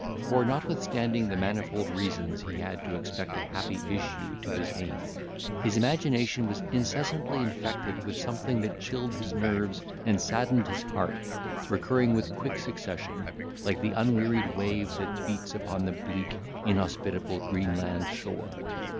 For, notwithstanding the manifold reasons he had to expect a happy issue to his aim, his imagination was incessantly infected with something that chilled his nerves and saddened his heart, recurring, with quick succession, like the unwearied wave that beats upon the bleak, inhospitable Greenland shore.